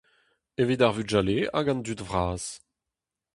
Evit ar vugale hag an dud vras.